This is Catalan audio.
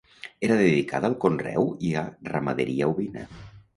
Era dedicada al conreu i a ramaderia ovina.